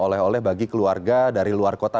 oleh oleh bagi keluarga dari luar kota